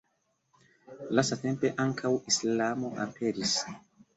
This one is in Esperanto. Lastatempe ankaŭ islamo aperis.